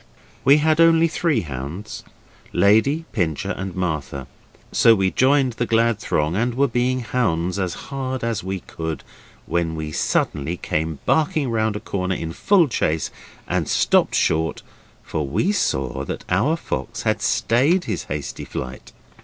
We had only three hounds Lady, Pincher and Martha so we joined the glad throng and were being hounds as hard as we could, when we suddenly came barking round a corner in full chase and stopped short, for we saw that our fox had stayed his hasty flight.